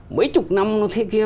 mấy chục năm nó thế kia